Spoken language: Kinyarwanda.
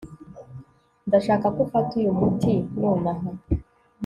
ndashaka ko ufata uyu muti nonaha